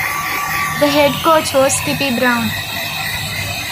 The head coach was Kippy Brown.